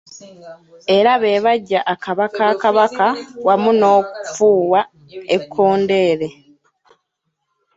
Era be baggya akaba ka Kabaka wamu n'okufuuwa ekkondeere.